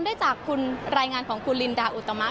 ด้วยจากรายงานของคุณลินดาอูตามะค่ะ